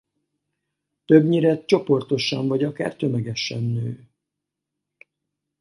Többnyire csoportosan vagy akár tömegesen nő.